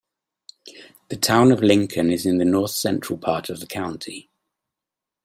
The Town of Lincoln is in the north-central part of the county.